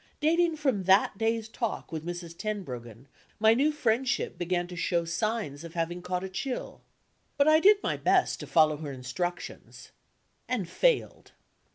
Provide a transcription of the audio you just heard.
Dating from that day's talk with Mrs. Tenbruggen, my new friendship began to show signs of having caught a chill. But I did my best to follow her instructions and failed.